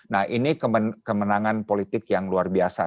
nah ini kemenangan politik yang luar biasa